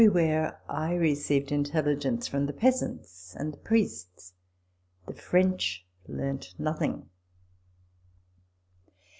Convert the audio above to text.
Everywhere I received intelligence from the peasants and the priests. The French learnt nothing.